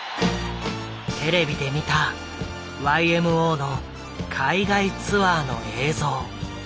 テレビで見たＹＭＯの海外ツアーの映像。